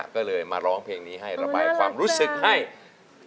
ก็เลยมาร้องเพลงนี้ให้ระบายความรู้สึกให้โอ้ยอร่อยจ้า